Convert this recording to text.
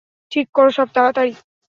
ঠিক করো সব তাড়াতাড়ি।